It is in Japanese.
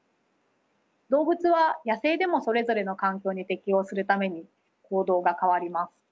動物は野生でもそれぞれの環境に適応するために行動が変わります。